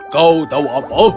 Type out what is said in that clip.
kau tahu apa